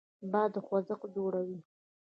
باد خوځښت جوړوي.